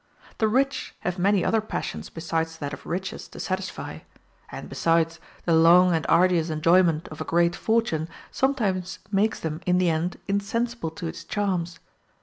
The rich have many other passions besides that of riches to satisfy; and, besides, the long and arduous enjoyment of a great fortune sometimes makes them in the end insensible to its charms.